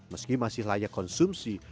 meski masih layak konsumsi